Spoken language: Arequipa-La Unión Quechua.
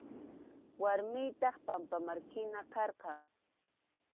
Warmiytaq pampamarkina karqan.